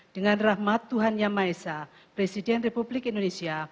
dengan rahmat tuhan yang maha esa presiden republik indonesia